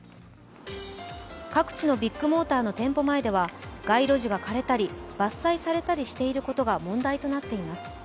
各地のビッグモーターの店舗前では街路樹が枯れたり伐採されたりしていることが問題となっています。